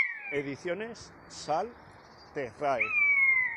Ediciones Sal Terrae.